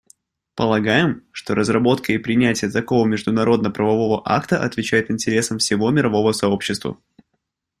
Полагаем, что разработка и принятие такого международно-правового акта отвечает интересам всего мирового сообщества.